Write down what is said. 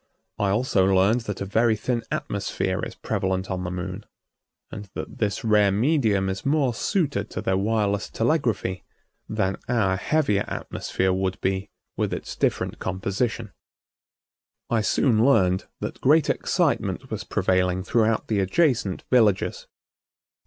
I also learned that a very thin atmosphere is prevalent on the Moon, and that this rare medium is more suited to their wireless telegraphy than our heavier atmosphere would be with its different composition. I soon learned that great excitement was prevailing throughout the adjacent villages.